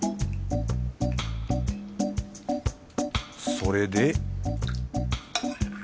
それで。